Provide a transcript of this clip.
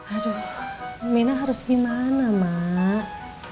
aduh mina harus gimana mak